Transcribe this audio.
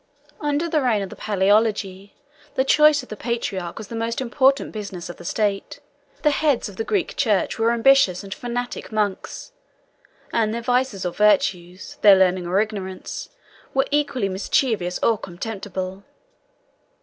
Under the reign of the Palæologi, the choice of the patriarch was the most important business of the state; the heads of the Greek church were ambitious and fanatic monks; and their vices or virtues, their learning or ignorance, were equally mischievous or contemptible.